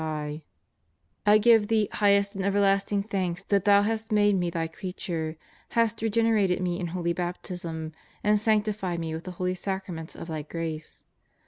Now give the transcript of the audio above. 210 Epilogue I give Thee highest and everlasting thanks that Thou hast made me Thy creature, hast regenerated me in holy baptism, and sanctified me with the holy sacraments of Thy grace.